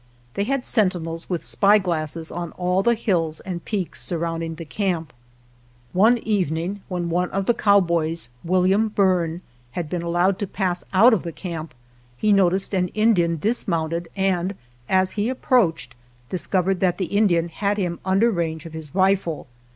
They had sentinels with sypglasses on all the hills and peaks sur rounding the camp. One evening when one of the cowboys, William Berne, had been allowed to pass out of the camp, he noticed an Indian dis mounted and, as he approached, discovered that the Indian had him under range of his rifle.